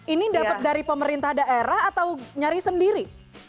ini dapat dari pemerintah daerah atau nyari sendiri